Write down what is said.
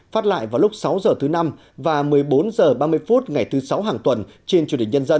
phát lại vào lúc sáu h thứ năm và một mươi bốn h ba mươi phút ngày thứ sáu hàng tuần trên truyền hình nhân dân